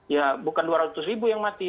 ya bukan dua ratus ribu yang mati